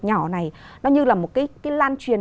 nhỏ này nó như là một cái lan truyền